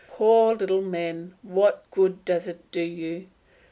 Poor little men, what good does it do you?